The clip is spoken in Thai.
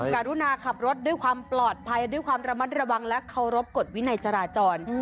การุณาขับรถด้วยความปลอดภัยด้วยความระมัดระวังและเคารพกฎวินัยจราจร